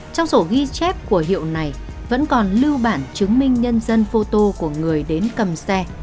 trong sổ ghi chép của hiệu này vẫn còn lưu bản chứng minh nhân dân photo của người đến cầm xe